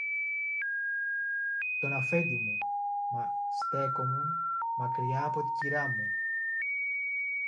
τον αφέντη μου, μα στέκουμουν μακριά από την κυρά μου